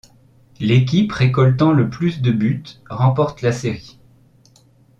L'équipe récoltant le plus de buts remporte la série.